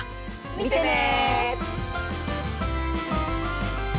見てね！